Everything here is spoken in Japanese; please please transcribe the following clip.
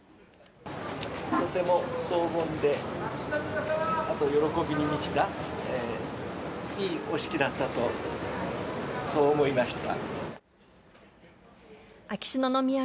とても荘厳で、あと、喜びに満ちた、いいお式だったと、そう思いました。